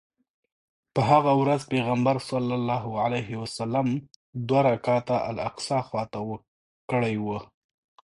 په هغه ورځ پیغمبر صلی الله علیه وسلم دوه رکعته الاقصی خواته کړی و.